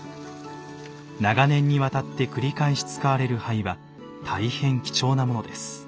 長年にわたって繰り返し使われる灰は大変貴重なものです。